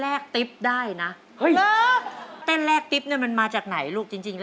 แล้วที่ให้เป่าหมายแล้อนเป็นคุณคุณครับ